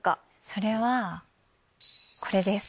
それはこれです。